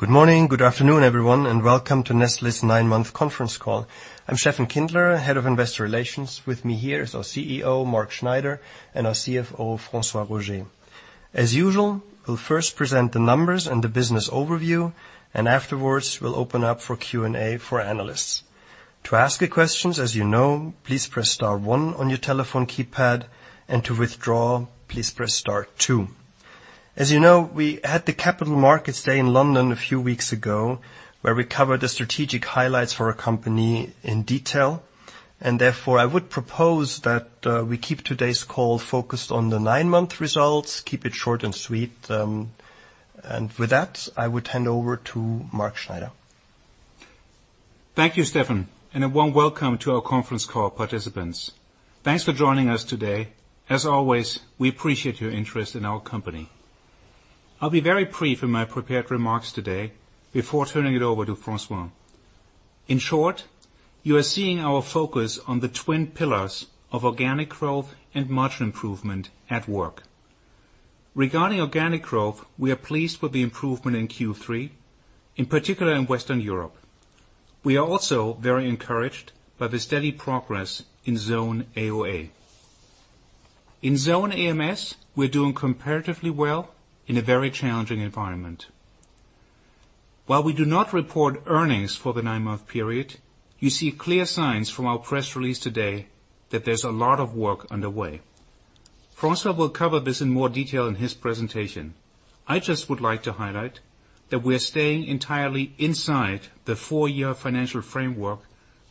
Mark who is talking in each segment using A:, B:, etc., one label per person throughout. A: Good morning, good afternoon, everyone, welcome to Nestlé's nine-month conference call. I'm Steffen Kindler, Head of Investor Relations. With me here is our CEO, Mark Schneider, and our CFO, François Roger. As usual, we'll first present the numbers and the business overview, and afterwards, we'll open up for Q&A for analysts. To ask a question, as you know, please press star one on your telephone keypad, and to withdraw, please press star two. As you know, we had the Capital Markets Day in London a few weeks ago, where we covered the strategic highlights for our company in detail. Therefore, I would propose that we keep today's call focused on the nine-month results, keep it short and sweet. With that, I would hand over to Mark Schneider.
B: Thank you, Steffen, and a warm welcome to our conference call participants. Thanks for joining us today. As always, we appreciate your interest in our company. I'll be very brief in my prepared remarks today before turning it over to François. In short, you are seeing our focus on the twin pillars of organic growth and margin improvement at work. Regarding organic growth, we are pleased with the improvement in Q3, in particular in Western Europe. We are also very encouraged by the steady progress in zone AOA. In zone AMS, we're doing comparatively well in a very challenging environment. While we do not report earnings for the nine-month period, you see clear signs from our press release today that there's a lot of work underway. François will cover this in more detail in his presentation. I just would like to highlight that we're staying entirely inside the four-year financial framework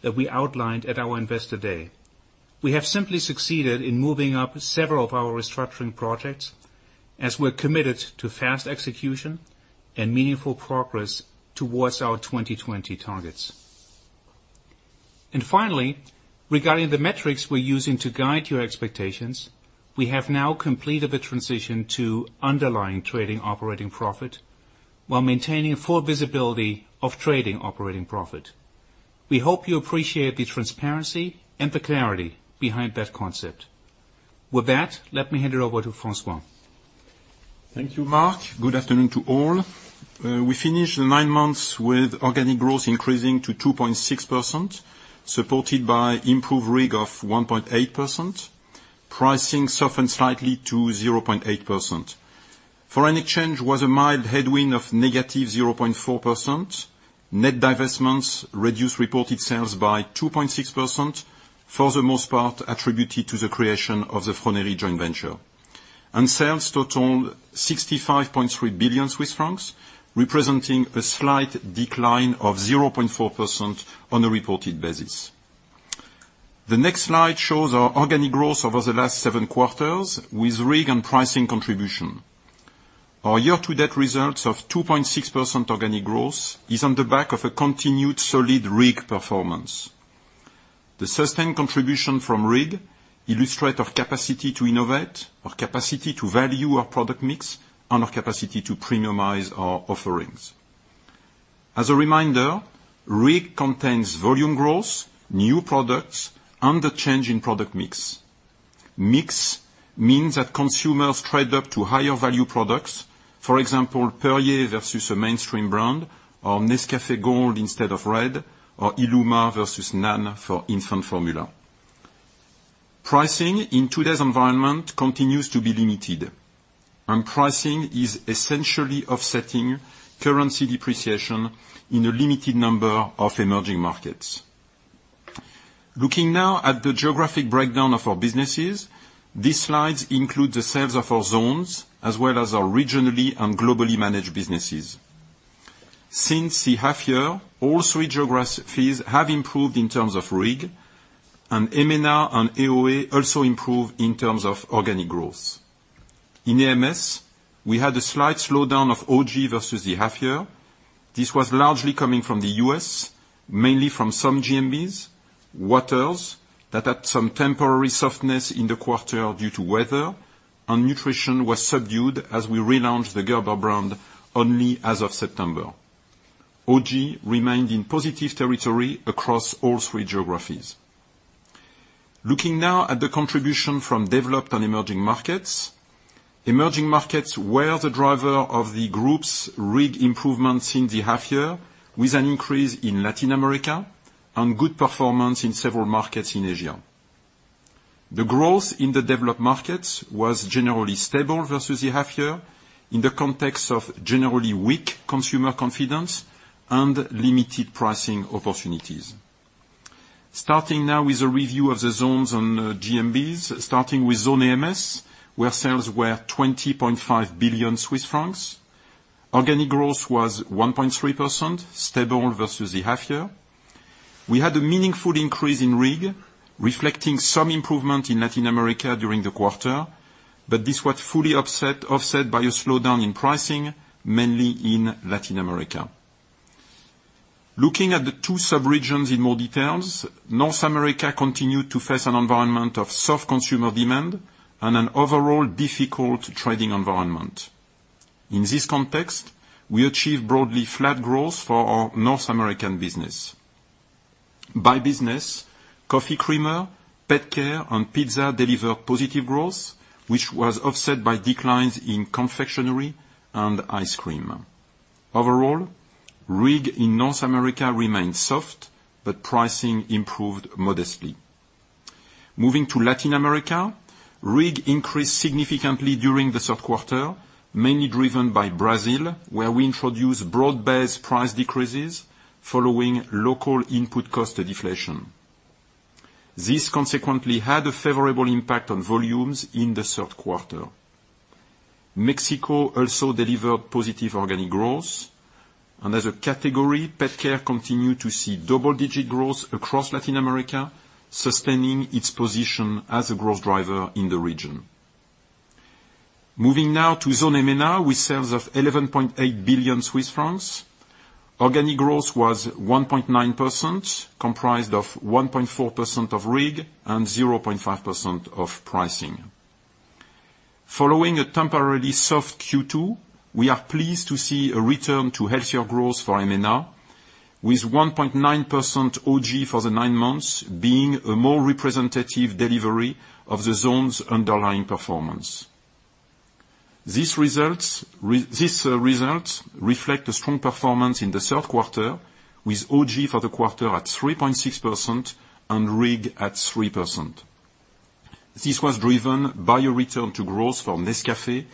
B: that we outlined at our Investor Day. We have simply succeeded in moving up several of our restructuring projects as we're committed to fast execution and meaningful progress towards our 2020 targets. Finally, regarding the metrics we're using to guide your expectations, we have now completed the transition to underlying trading operating profit while maintaining full visibility of trading operating profit. We hope you appreciate the transparency and the clarity behind that concept. With that, let me hand it over to François.
C: Thank you, Mark. Good afternoon to all. We finished the nine months with organic growth increasing to 2.6%, supported by improved RIG of 1.8%. Pricing softened slightly to 0.8%. Foreign exchange was a mild headwind of negative 0.4%. Net divestments reduced reported sales by 2.6%, for the most part attributed to the creation of the Froneri joint venture. Sales totaled 65.3 billion Swiss francs, representing a slight decline of 0.4% on a reported basis. The next slide shows our organic growth over the last seven quarters with RIG and pricing contribution. Our year-to-date results of 2.6% organic growth is on the back of a continued solid RIG performance. The sustained contribution from RIG illustrate our capacity to innovate, our capacity to value our product mix, and our capacity to premiumize our offerings. As a reminder, RIG contains volume growth, new products, and the change in product mix. Mix means that consumers trade up to higher value products. For example, Perrier versus a mainstream brand, or Nescafé Gold instead of Red, or Illuma versus NAN for infant formula. Pricing in today's environment continues to be limited, and pricing is essentially offsetting currency depreciation in a limited number of emerging markets. Looking now at the geographic breakdown of our businesses, these slides include the sales of our zones, as well as our regionally and globally managed businesses. Since the half year, all 3 geographies have improved in terms of RIG, and EMENA and AOA also improved in terms of organic growth. In AMS, we had a slight slowdown of OG versus the half year. This was largely coming from the U.S., mainly from some GMBs. Waters, that had some temporary softness in the quarter due to weather, and nutrition was subdued as we relaunched the Gerber brand only as of September. OG remained in positive territory across all 3 geographies. Looking now at the contribution from developed and emerging markets. Emerging markets were the driver of the group's RIG improvements in the half year, with an increase in Latin America and good performance in several markets in Asia. The growth in the developed markets was generally stable versus the half year in the context of generally weak consumer confidence and limited pricing opportunities. Starting now with a review of the zones on GMBs, starting with zone AMS, where sales were 20.5 billion Swiss francs. Organic growth was 1.3%, stable versus the half year. We had a meaningful increase in RIG, reflecting some improvement in Latin America during the quarter, but this was fully offset by a slowdown in pricing, mainly in Latin America. Looking at the 2 sub-regions in more details. North America continued to face an environment of soft consumer demand and an overall difficult trading environment. In this context, we achieved broadly flat growth for our North American business. By business, coffee creamer, PetCare and Pizza deliver positive growth, which was offset by declines in confectionery and ice cream. Overall, RIG in North America remains soft, but pricing improved modestly. Moving to Latin America, RIG increased significantly during the third quarter, mainly driven by Brazil, where we introduced broad-based price decreases following local input cost deflation. This consequently had a favorable impact on volumes in the third quarter. Mexico also delivered positive organic growth. As a category, PetCare continued to see double-digit growth across Latin America, sustaining its position as a growth driver in the region. Moving now to Zone EMENA, with sales of 11.8 billion Swiss francs. Organic growth was 1.9%, comprised of 1.4% of RIG and 0.5% of pricing. Following a temporarily soft Q2, we are pleased to see a return to healthier growth for MENA, with 1.9% OG for the 9 months being a more representative delivery of the zone's underlying performance. This result reflect a strong performance in the third quarter, with OG for the quarter at 3.6% and RIG at 3%. This was driven by a return to growth for Nescafé,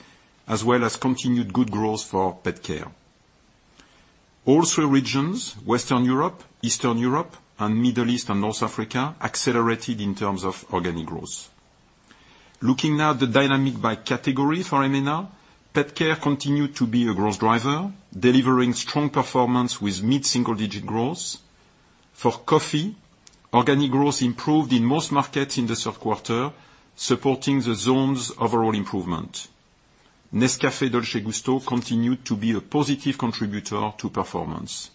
C: as well as continued good growth for PetCare. All 3 regions, Western Europe, Eastern Europe, and Middle East and North Africa, accelerated in terms of organic growth. Looking now at the dynamic by category for EMENA, PetCare continued to be a growth driver, delivering strong performance with mid-single digit growth. For coffee, organic growth improved in most markets in the third quarter, supporting the zone's overall improvement. Nescafé Dolce Gusto continued to be a positive contributor to performance.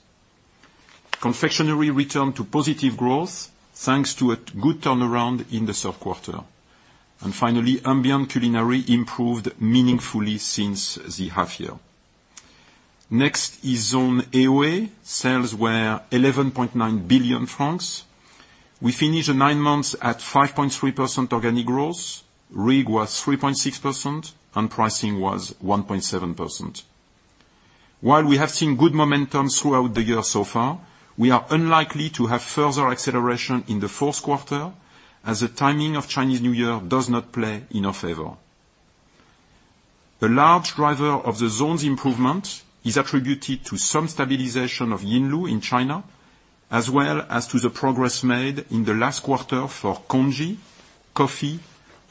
C: Finally, ambient culinary improved meaningfully since the half year. Next is zone AOA. Sales were 11.9 billion francs. We finished the nine months at 5.3% organic growth. RIG was 3.6% and pricing was 1.7%. While we have seen good momentum throughout the year so far, we are unlikely to have further acceleration in the fourth quarter, as the timing of Chinese New Year does not play in our favor. A large driver of the zone's improvement is attributed to some stabilization of Yinlu in China, as well as to the progress made in the last quarter for congee, coffee,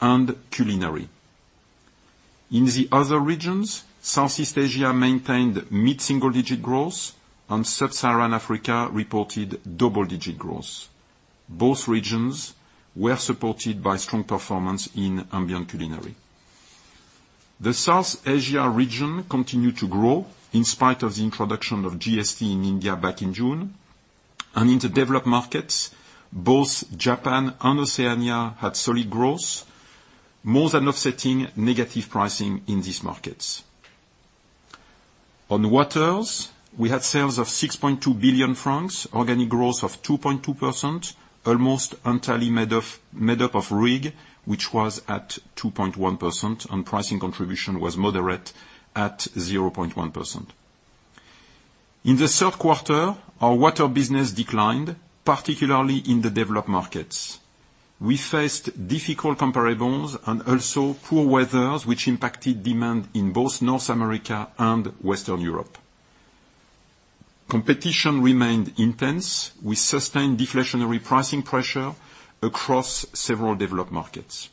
C: and culinary. In the other regions, Southeast Asia maintained mid-single digit growth and sub-Saharan Africa reported double-digit growth. Both regions were supported by strong performance in ambient culinary. The South Asia region continued to grow in spite of the introduction of GST in India back in June, and in the developed markets, both Japan and Oceania had solid growth, more than offsetting negative pricing in these markets. On Waters, we had sales of 6.2 billion francs, organic growth of 2.2%, almost entirely made up of RIG, which was at 2.1%, and pricing contribution was moderate at 0.1%. In the third quarter, our Waters business declined, particularly in the developed markets. We faced difficult comparables and also poor weather, which impacted demand in both North America and Western Europe. Competition remained intense, with sustained deflationary pricing pressure across several developed markets.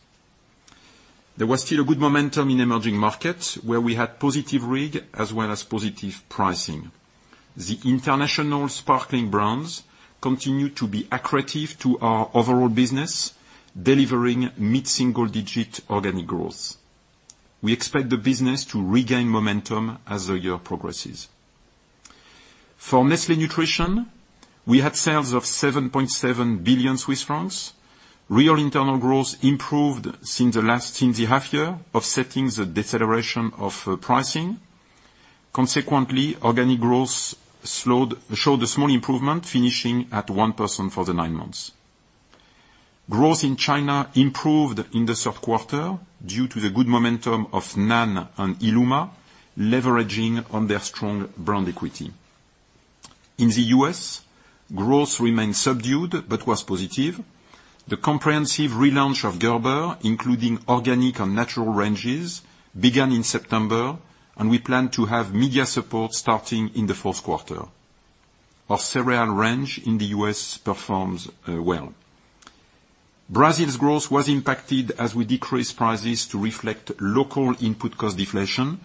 C: There was still a good momentum in emerging markets, where we had positive RIG as well as positive pricing. The international sparkling brands continue to be accretive to our overall business, delivering mid-single digit organic growth. We expect the business to regain momentum as the year progresses. For Nestlé Nutrition, we had sales of 7.7 billion Swiss francs. Real internal growth improved since the half year, offsetting the deceleration of pricing. Consequently, organic growth showed a small improvement, finishing at 1% for the nine months. Growth in China improved in the third quarter due to the good momentum of NAN and Illuma leveraging on their strong brand equity. In the U.S., growth remained subdued but was positive. The comprehensive relaunch of Gerber, including organic and natural ranges, began in September, and we plan to have media support starting in the fourth quarter. Our cereal range in the U.S. performs well. Brazil's growth was impacted as we decreased prices to reflect local input cost deflation.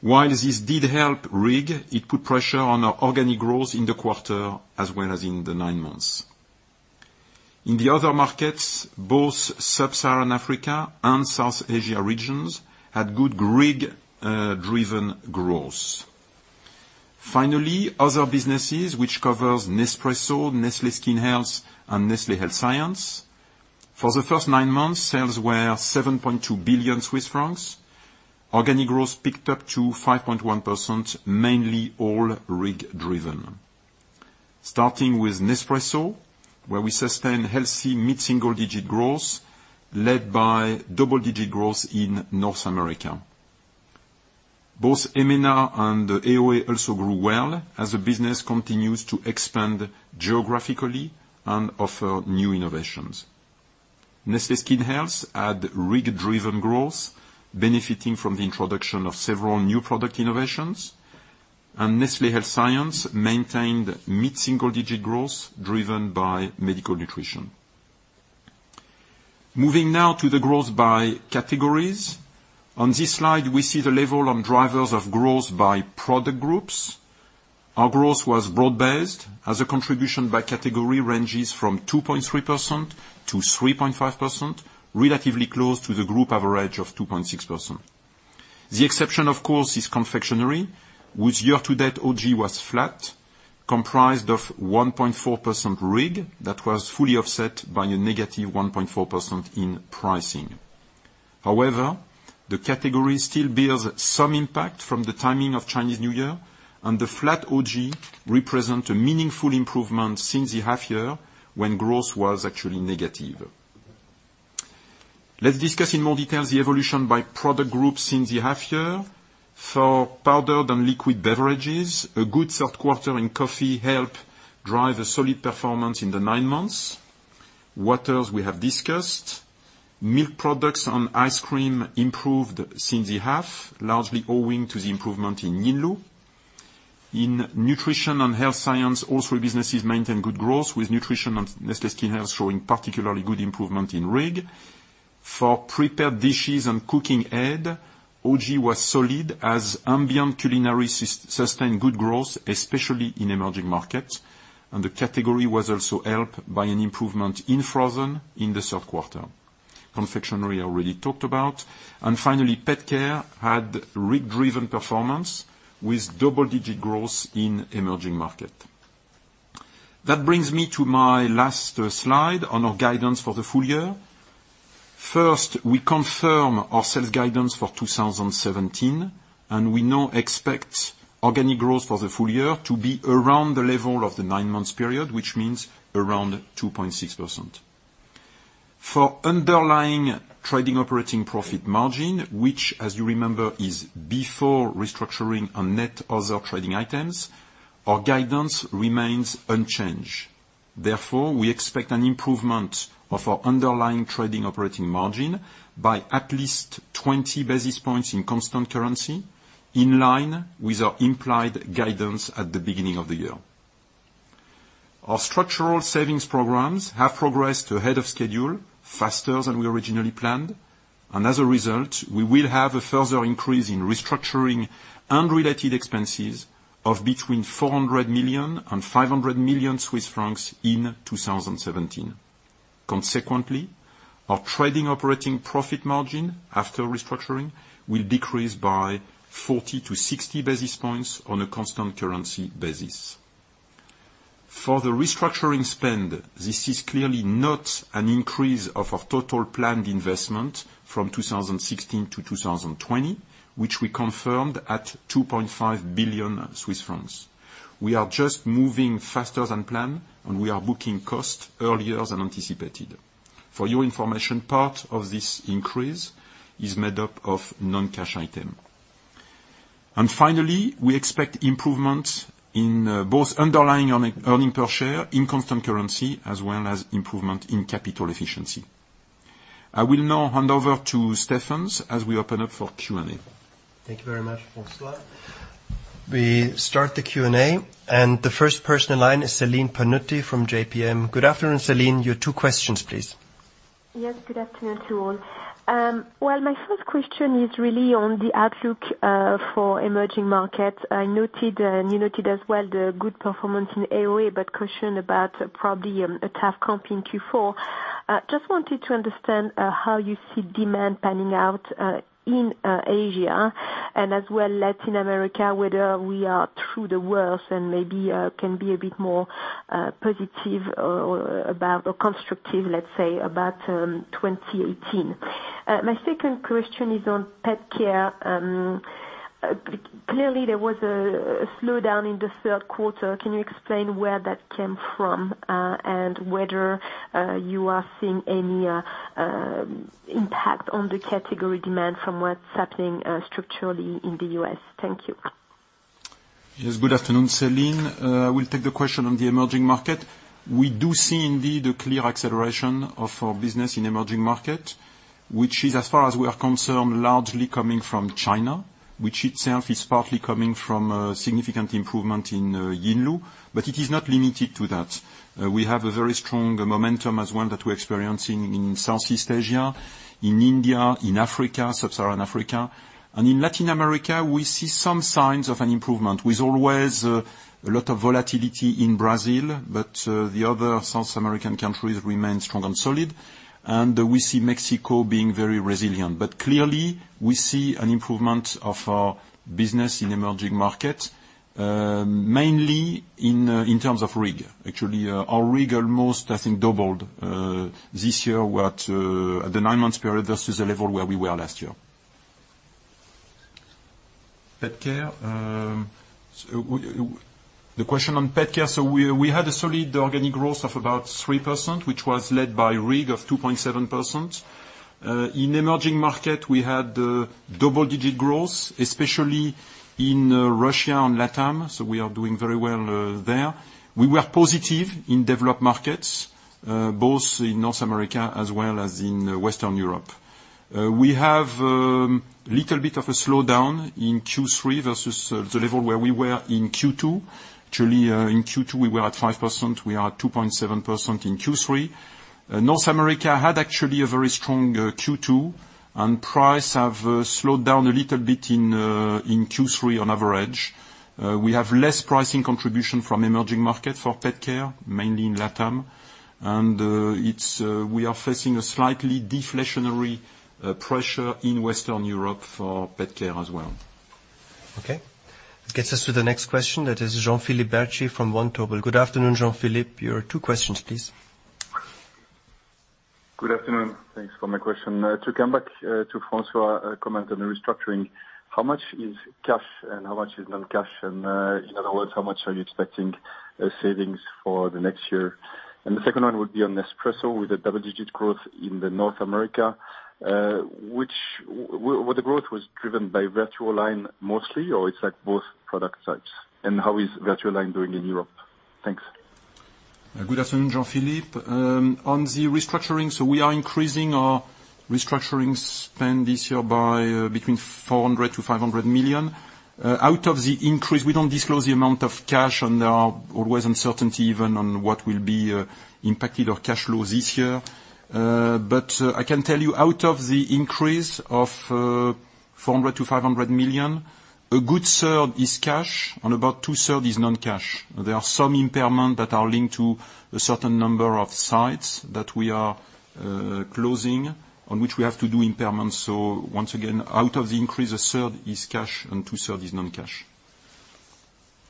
C: While this did help RIG, it put pressure on our organic growth in the quarter, as well as in the nine months. In the other markets, both sub-Saharan Africa and South Asia regions had good RIG-driven growth. Finally, other businesses, which covers Nespresso, Nestlé Skin Health and Nestlé Health Science. For the first nine months, sales were 7.2 billion Swiss francs. Organic growth picked up to 5.1%, mainly all RIG driven. Starting with Nespresso, where we sustained healthy mid-single-digit growth led by double-digit growth in North America. Both MENA and the AOA also grew well as the business continues to expand geographically and offer new innovations. Nestlé Skin Health had RIG-driven growth, benefiting from the introduction of several new product innovations. Nestlé Health Science maintained mid-single-digit growth, driven by medical nutrition. Moving now to the growth by categories. On this slide, we see the level and drivers of growth by product groups. Our growth was broad-based as a contribution by category ranges from 2.3%-3.5%, relatively close to the group average of 2.6%. The exception, of course, is confectionery, whose year-to-date OG was flat, comprised of 1.4% RIG that was fully offset by a -1.4% in pricing. However, the category still bears some impact from the timing of Chinese New Year, and the flat OG represent a meaningful improvement since the half year when growth was actually negative. Let's discuss in more detail the evolution by product groups since the half year. For powdered and liquid beverages, a good third quarter in coffee helped drive a solid performance in the nine months. Waters, we have discussed. Milk products and ice cream improved since the half, largely owing to the improvement in Yinlu. In nutrition and health science, all three businesses maintain good growth, with nutrition and Nestlé Skin Health showing particularly good improvement in RIG. For prepared dishes and cooking aid, OG was solid as ambient culinary sustained good growth, especially in emerging markets, and the category was also helped by an improvement in frozen in the third quarter. Confectionery, I already talked about. Finally, PetCare had RIG-driven performance with double-digit growth in emerging market. That brings me to my last slide on our guidance for the full year. First, we confirm our sales guidance for 2017, and we now expect organic growth for the full year to be around the level of the nine-month period, which means around 2.6%. For underlying trading operating profit margin, which, as you remember, is before restructuring on net other trading items, our guidance remains unchanged. Therefore, we expect an improvement of our underlying trading operating margin by at least 20 basis points in constant currency, in line with our implied guidance at the beginning of the year. Our structural savings programs have progressed ahead of schedule, faster than we originally planned, and as a result, we will have a further increase in restructuring unrelated expenses of between 400 million-500 million Swiss francs in 2017. Consequently, our trading operating profit margin after restructuring will decrease by 40-60 basis points on a constant currency basis. For the restructuring spend, this is clearly not an increase of our total planned investment from 2016-2020, which we confirmed at 2.5 billion Swiss francs. We are just moving faster than planned, and we are booking costs earlier than anticipated. For your information, part of this increase is made up of non-cash item. Finally, we expect improvements in both underlying earnings per share in constant currency as well as improvement in capital efficiency. I will now hand over to Stefan as we open up for Q&A.
A: Thank you very much, François. We start the Q&A, the first person in line is Celine Pannuti from JPM. Good afternoon, Celine. Your two questions, please.
D: Yes, good afternoon to you all. Well, my first question is really on the outlook for emerging markets. I noted, and you noted as well, the good performance in AOA, but question about probably a tough comp in Q4. Just wanted to understand how you see demand panning out in Asia and as well Latin America, whether we are through the worst and maybe can be a bit more positive or constructive, let's say, about 2018. My second question is on PetCare. Clearly, there was a slowdown in the third quarter. Can you explain where that came from and whether you are seeing any impact on the category demand from what's happening structurally in the U.S.? Thank you.
C: Yes. Good afternoon, Celine. I will take the question on the emerging market. We do see indeed a clear acceleration of our business in emerging market, which is, as far as we are concerned, largely coming from China, which itself is partly coming from a significant improvement in Yinlu, but it is not limited to that. We have a very strong momentum as one that we are experiencing in Southeast Asia, in India, in Africa, sub-Saharan Africa. In Latin America, we see some signs of an improvement, with always a lot of volatility in Brazil, but the other South American countries remain strong and solid. We see Mexico being very resilient. Clearly we see an improvement of our business in emerging markets, mainly in terms of RIG. Actually, our RIG almost, I think, doubled this year at the nine-month period versus the level where we were last year. PetCare. The question on PetCare, we had a solid organic growth of about 3%, which was led by RIG of 2.7%. In emerging market, we had double-digit growth, especially in Russia and LatAm, so we are doing very well there. We were positive in developed markets, both in North America as well as in Western Europe. We have a little bit of a slowdown in Q3 versus the level where we were in Q2. Actually, in Q2, we were at 5%. We are at 2.7% in Q3. North America had actually a very strong Q2, price have slowed down a little bit in Q3 on average. We have less pricing contribution from emerging market for PetCare, mainly in LatAm. We are facing a slightly deflationary pressure in Western Europe for PetCare as well.
A: Okay. That gets us to the next question. That is Jean-Philippe Bertschy from Vontobel. Good afternoon, Jean-Philippe. Your two questions, please.
E: Good afternoon. Thanks for my question. To come back to François' comment on the restructuring, how much is cash and how much is non-cash? In other words, how much are you expecting savings for the next year? The second one would be on Nespresso, with the double-digit growth in North America, was the growth driven by VertuoLine mostly, or it's like both product types? How is VertuoLine doing in Europe? Thanks.
C: Good afternoon, Jean-Philippe. On the restructuring, we are increasing our restructuring spend this year by between 400 million-500 million. Out of the increase, we don't disclose the amount of cash, and there are always uncertainty even on what will be impacted our cash flow this year. I can tell you, out of the increase of 400 million-500 million, a good third is cash and about two-third is non-cash. There are some impairment that are linked to a certain number of sites that we are closing, on which we have to do impairment. Once again, out of the increase, a third is cash and two-third is non-cash.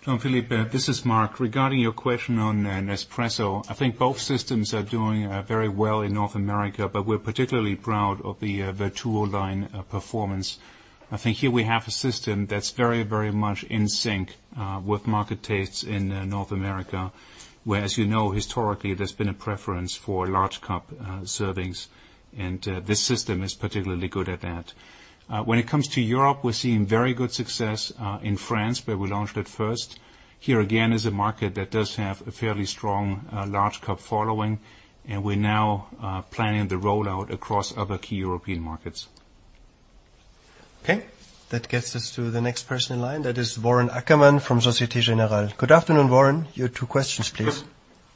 B: Jean-Philippe, this is Mark. Regarding your question on Nespresso, I think both systems are doing very well in North America, we're particularly proud of the VertuoLine performance. I think here we have a system that's very much in sync with market tastes in North America, where, as you know, historically, there's been a preference for large cup servings, this system is particularly good at that. When it comes to Europe, we're seeing very good success in France, where we launched it first. Here again is a market that does have a fairly strong large cup following, we're now planning the rollout across other key European markets.
A: Okay. That gets us to the next person in line. That is Warren Ackerman from Société Générale. Good afternoon, Warren. Your two questions, please.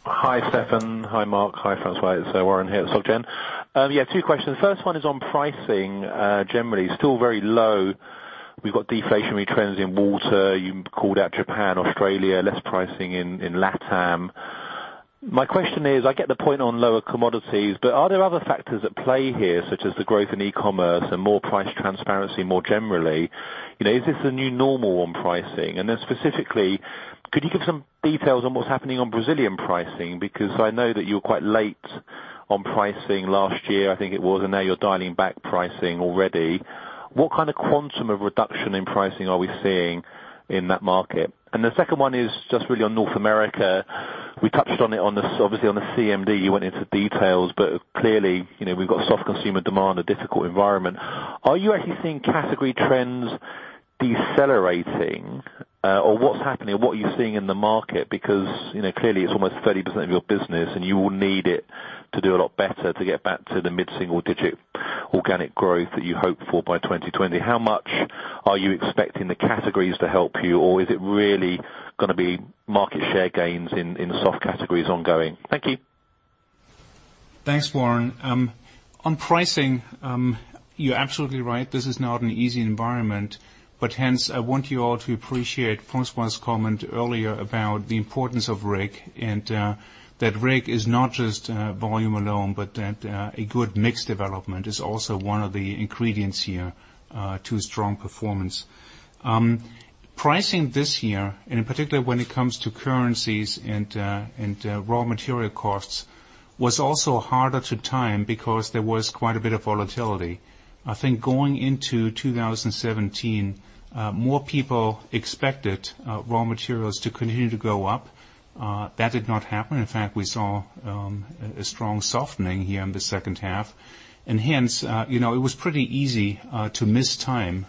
F: Hi, Steffen. Hi, Mark. Hi, François. It's Warren here at Soc Gen. Yeah, two questions. First one is on pricing generally. Still very low. We've got deflationary trends in water. You called out Japan, Australia, less pricing in LatAm. My question is, I get the point on lower commodities, but are there other factors at play here, such as the growth in e-commerce and more price transparency more generally? Is this the new normal on pricing? Specifically, could you give some details on what's happening on Brazilian pricing? Because I know that you were quite late on pricing last year, I think it was, now you're dialing back pricing already. What kind of quantum of reduction in pricing are we seeing in that market? The second one is just really on North America. We touched on it, obviously on the CMD, you went into details, clearly, we've got soft consumer demand, a difficult environment. Are you actually seeing category trends decelerating? What's happening? What are you seeing in the market? Because clearly, it's almost 30% of your business, you will need it to do a lot better to get back to the mid-single digit organic growth that you hope for by 2020. How much are you expecting the categories to help you? Is it really going to be market share gains in soft categories ongoing? Thank you.
B: Thanks, Warren. On pricing, you're absolutely right. This is not an easy environment. Hence, I want you all to appreciate François' comment earlier about the importance of RIG, that RIG is not just volume alone, but that a good mix development is also one of the ingredients here to strong performance. Pricing this year, in particular when it comes to currencies and raw material costs, was also harder to time because there was quite a bit of volatility. I think going into 2017, more people expected raw materials to continue to go up. That did not happen. In fact, we saw a strong softening here in the second half. Hence, it was pretty easy to mistime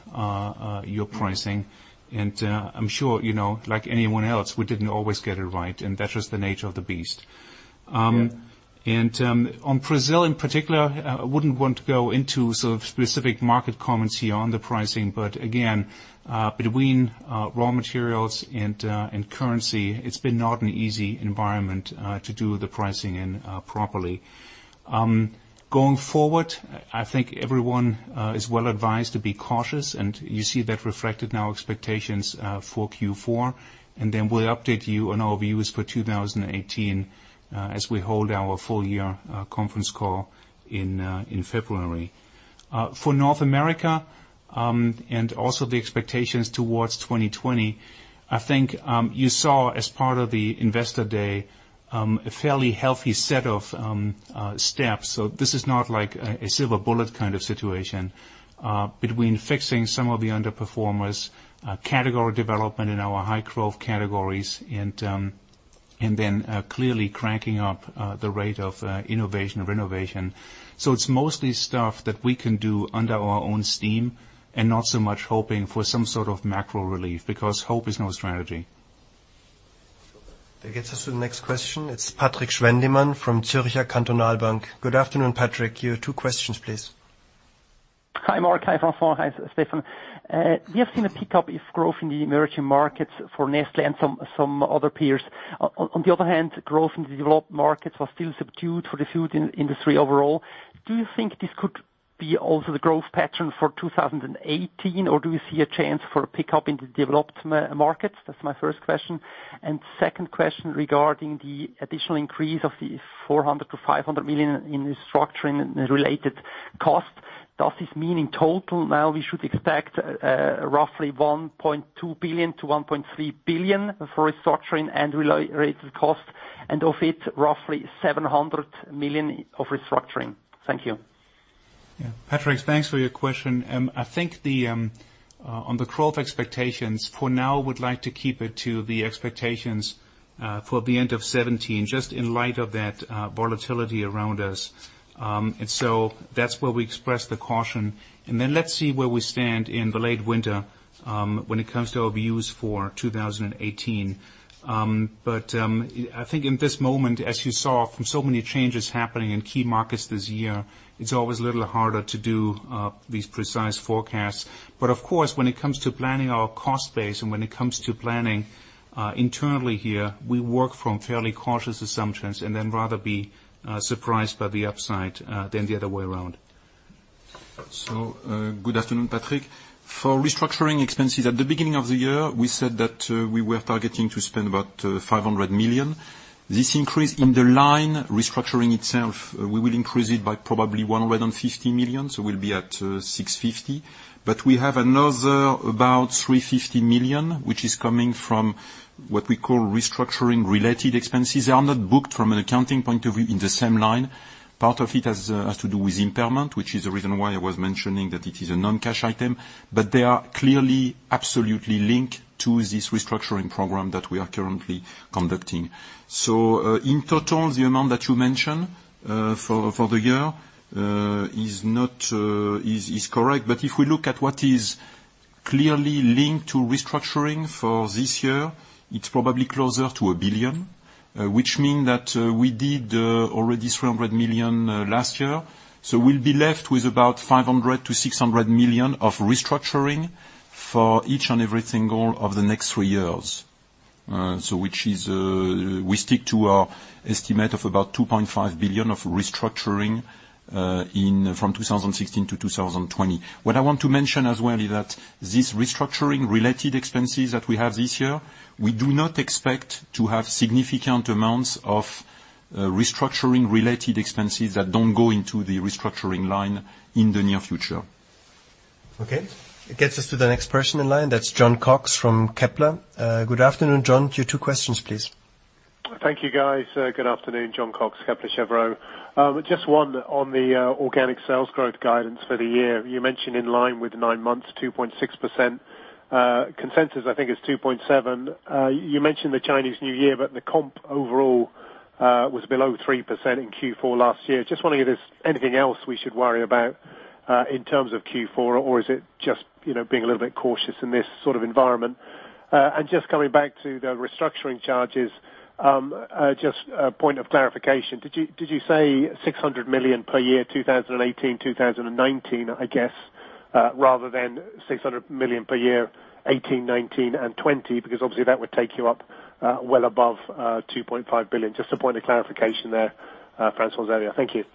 B: your pricing. I'm sure, like anyone else, we didn't always get it right, and that's just the nature of the beast.
F: Yeah.
B: On Brazil in particular, I wouldn't want to go into sort of specific market comments here on the pricing. Again, between raw materials and currency, it's been not an easy environment to do the pricing in properly. Going forward, I think everyone is well advised to be cautious, and you see that reflected in our expectations for Q4, then we'll update you on our views for 2018 as we hold our full year conference call in February. For North America, also the expectations towards 2020, I think you saw as part of the Investor Day, a fairly healthy set of steps. This is not like a silver bullet kind of situation. Between fixing some of the underperformers, category development in our high growth categories, then clearly cranking up the rate of innovation and renovation. It's mostly stuff that we can do under our own steam, and not so much hoping for some sort of macro relief, because hope is no strategy.
A: That gets us to the next question. It's Patrik Schwendimann from Zürcher Kantonalbank. Good afternoon, Patrik. Your two questions, please.
G: Hi Mark, hi François, hi Steffen. We have seen a pickup of growth in the emerging markets for Nestlé and some other peers. On the other hand, growth in the developed markets was still subdued for the food industry overall. Do you think this could be also the growth pattern for 2018, or do you see a chance for a pickup in the developed markets? That's my first question. Second question regarding the additional increase of the 400 million-500 million in restructuring and related costs. Does this mean in total now we should expect roughly 1.2 billion-1.3 billion for restructuring and related costs, and of it, roughly 700 million of restructuring? Thank you.
B: Patrik, thanks for your question. I think on the growth expectations for now would like to keep it to the expectations for the end of 2017, just in light of that volatility around us. That's where we express the caution, and then let's see where we stand in the late winter when it comes to our views for 2018. I think in this moment, as you saw from so many changes happening in key markets this year, it's always a little harder to do these precise forecasts. Of course, when it comes to planning our cost base and when it comes to planning internally here, we work from fairly cautious assumptions and then rather be surprised by the upside than the other way around.
C: Good afternoon, Patrik. For restructuring expenses at the beginning of the year, we said that we were targeting to spend about 500 million. This increase in the line restructuring itself, we will increase it by probably 150 million, so we'll be at 650 million. We have another about 350 million, which is coming from what we call restructuring related expenses. They are not booked from an accounting point of view in the same line. Part of it has to do with impairment, which is the reason why I was mentioning that it is a non-cash item. They are clearly absolutely linked to this restructuring program that we are currently conducting. In total, the amount that you mentioned for the year is correct. If we look at what is clearly linked to restructuring for this year, it's probably closer to 1 billion. Which mean that we did already 300 million last year. We'll be left with about 500 million-600 million of restructuring for each and every single of the next three years. We stick to our estimate of about 2.5 billion of restructuring from 2016 to 2020. What I want to mention as well is that this restructuring related expenses that we have this year, we do not expect to have significant amounts of restructuring related expenses that don't go into the restructuring line in the near future. Okay. It gets us to the next person in line. That's Jon Cox from Kepler. Good afternoon, Jon. Your two questions, please.
H: Thank you, guys. Good afternoon, Jon Cox, Kepler Cheuvreux. Just one on the organic sales growth guidance for the year. You mentioned in line with nine months, 2.6%. Consensus I think is 2.7%. You mentioned the Chinese New Year, but the comp overall was below 3% in Q4 last year. Just wondering if there's anything else we should worry about in terms of Q4, or is it just being a little bit cautious in this sort of environment? Just coming back to the restructuring charges, just a point of clarification. Did you say 600 million per year 2018, 2019, I guess rather than 600 million per year 2018, 2019 and 2020? Because obviously that would take you up well above 2.5 billion. Just a point of clarification there, François, there. Thank you.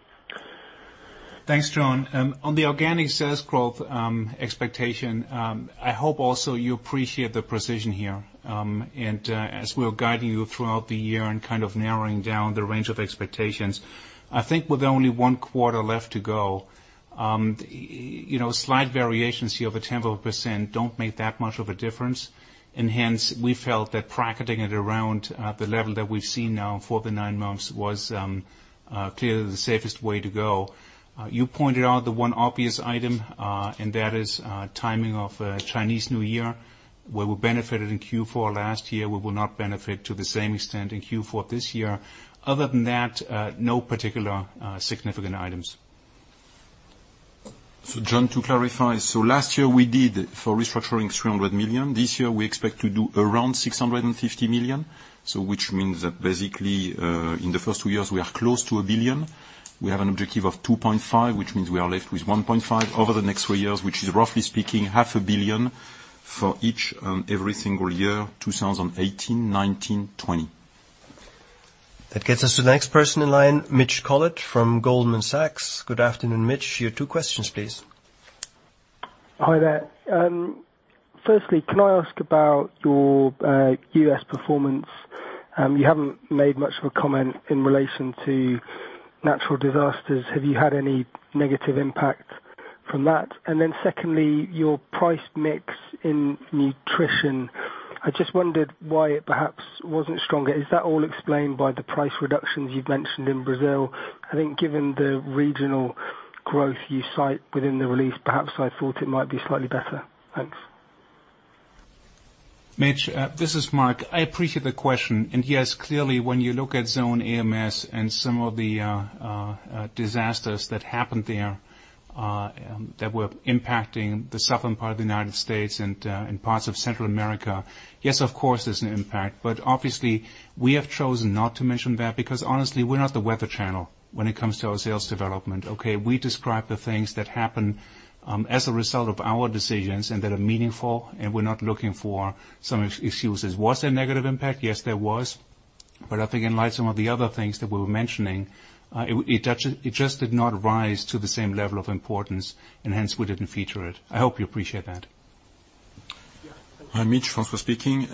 B: Thanks, Jon. On the organic sales growth expectation, I hope also you appreciate the precision here. As we're guiding you throughout the year and kind of narrowing down the range of expectations, I think with only one quarter left to go, slight variations here of a tenth of a percent don't make that much of a difference. Hence, we felt that bracketing it around the level that we've seen now for the nine months was clearly the safest way to go. You pointed out the one obvious item, and that is timing of Chinese New Year, where we benefited in Q4 last year, we will not benefit to the same extent in Q4 this year. Other than that, no particular significant items.
A: Jon, to clarify, last year we did for restructuring 300 million. This year we expect to do around 650 million. Which means that basically in the first two years we are close to 1 billion. We have an objective of 2.5 billion, which means we are left with 1.5 billion over the next three years, which is roughly speaking CHF half a billion for each and every single year, 2018, 2019, 2020. That gets us to the next person in line, Mitch Collett from Goldman Sachs. Good afternoon, Mitch. Your two questions please.
I: Hi there. Firstly, can I ask about your U.S. performance? You haven't made much of a comment in relation to natural disasters. Have you had any negative impact from that? Secondly, your price mix in nutrition. I just wondered why it perhaps wasn't stronger. Is that all explained by the price reductions you've mentioned in Brazil? I think given the regional growth you cite within the release, perhaps I thought it might be slightly better. Thanks
B: Mitch, this is Mark. I appreciate the question. Yes, clearly, when you look at Zone AMS and some of the disasters that happened there, that were impacting the southern part of the U.S. and parts of Central America, yes, of course, there's an impact. Obviously, we have chosen not to mention that because honestly, we're not The Weather Channel when it comes to our sales development. Okay? We describe the things that happen, as a result of our decisions, and that are meaningful, and we're not looking for so much issues as was there negative impact? Yes, there was. I think in light some of the other things that we were mentioning, it just did not rise to the same level of importance hence we didn't feature it. I hope you appreciate that.
C: Hi, Mit, François speaking.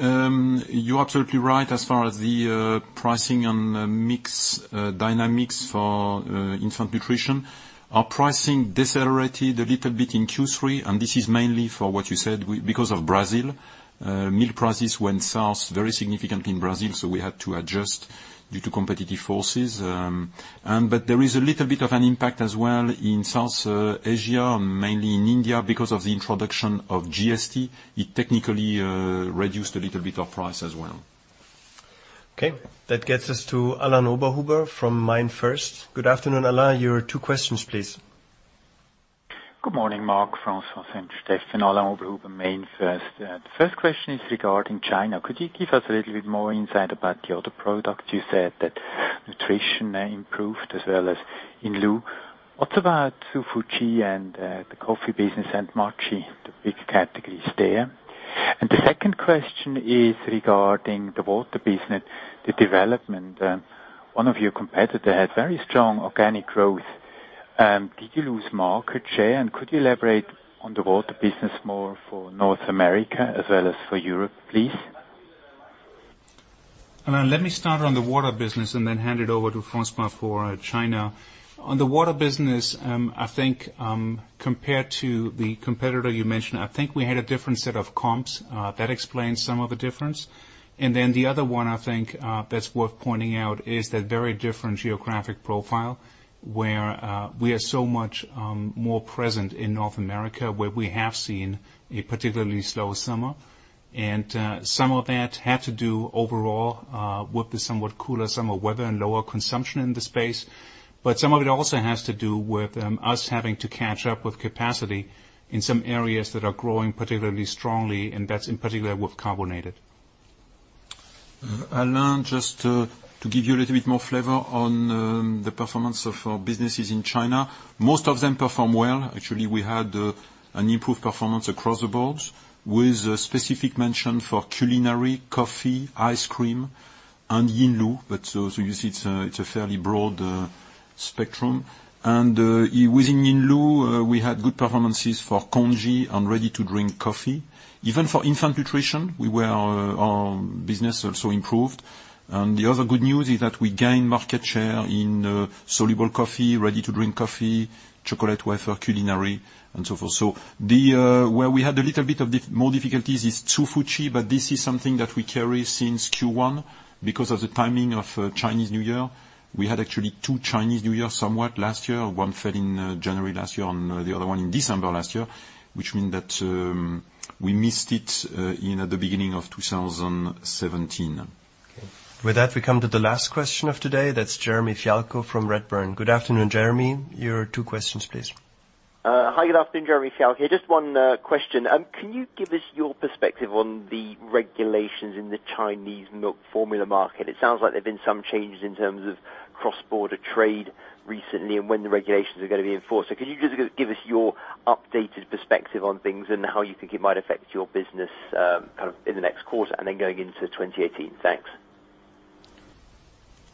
C: You're absolutely right as far as the pricing and mix dynamics for infant nutrition. Our pricing decelerated a little bit in Q3. This is mainly for what you said, because of Brazil. Milk prices went south very significantly in Brazil, so we had to adjust due to competitive forces. There is a little bit of an impact as well in South Asia, mainly in India, because of the introduction of GST. It technically reduced a little bit of price as well.
A: Okay. That gets us to Alain Oberhuber from MainFirst. Good afternoon, Alain. Your two questions, please.
J: Good morning, Mark, François and Stefan. Alain Oberhuber, MainFirst. The first question is regarding China. Could you give us a little bit more insight about the other product? You said that nutrition improved as well as Yinlu. What about Hsu Fu Chi and the coffee business and Maggi, the big categories there? The second question is regarding the water business, the development. One of your competitor had very strong organic growth. Did you lose market share? Could you elaborate on the water business more for North America as well as for Europe, please?
B: Alain, let me start on the water business. Then hand it over to François for China. On the water business, I think, compared to the competitor you mentioned, I think we had a different set of comps. That explains some of the difference. Then the other one, I think, that's worth pointing out is that very different geographic profile, where we are so much more present in North America, where we have seen a particularly slow summer. Some of that had to do overall, with the somewhat cooler summer weather and lower consumption in the space. Some of it also has to do with us having to catch up with capacity in some areas that are growing particularly strongly, and that's in particular with carbonated.
C: Alain, just to give you a little bit more flavor on the performance of our businesses in China. Most of them perform well. Actually, we had an improved performance across the board with a specific mention for culinary, coffee, ice cream, and Yinlu. You see, it's a fairly broad spectrum. Within Yinlu, we had good performances for congee and ready-to-drink coffee. Even for infant nutrition, our business also improved. The other good news is that we gained market share in soluble coffee, ready-to-drink coffee, chocolate wafer, culinary, and so forth. Where we had a little bit of more difficulties is Tsufuji, but this is something that we carry since Q1 because of the timing of Chinese New Year. We had actually two Chinese New Year somewhat last year. One fell in January last year and the other one in December last year, which mean that we missed it in the beginning of 2017.
A: Okay. With that, we come to the last question of today. That's Jeremy Fialko from Redburn. Good afternoon, Jeremy. Your two questions, please.
K: Hi, good afternoon. Jeremy Fialko here. Just one question. Can you give us your perspective on the regulations in the Chinese milk formula market? It sounds like there've been some changes in terms of cross-border trade recently and when the regulations are going to be enforced. Could you just give us your updated perspective on things and how you think it might affect your business in the next quarter and then going into 2018? Thanks.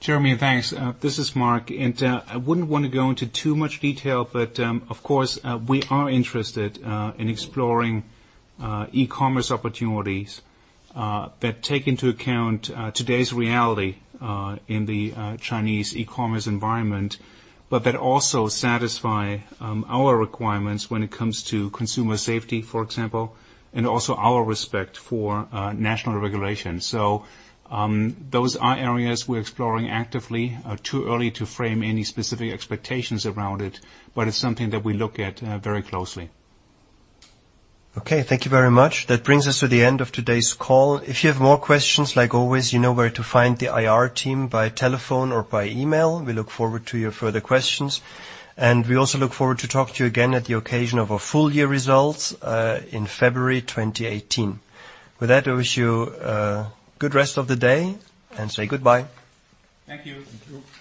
B: Jeremy, thanks. This is Mark. I wouldn't want to go into too much detail, but, of course, we are interested in exploring e-commerce opportunities that take into account today's reality in the Chinese e-commerce environment, but that also satisfy our requirements when it comes to consumer safety, for example, and also our respect for national regulations. Those are areas we're exploring actively. Too early to frame any specific expectations around it, but it's something that we look at very closely.
A: Okay, thank you very much. That brings us to the end of today's call. If you have more questions, like always, you know where to find the IR team by telephone or by email. We look forward to your further questions and we also look forward to talk to you again at the occasion of our full year results in February 2018. With that, I wish you a good rest of the day and say goodbye.
B: Thank you.
C: Thank you.